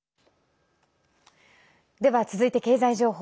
では、続いて経済情報。